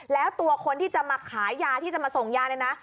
แล้วตัวคนที่จะมาขายยาที่จะมาส่งยา